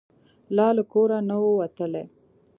لا له کوره نه وو وتلي.